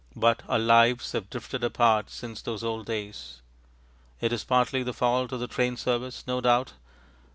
But our lives have drifted apart since those old days. It is partly the fault of the train service, no doubt.